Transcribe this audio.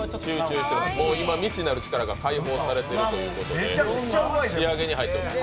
もう今未知なる力が解放されているということで仕上げに入ってます。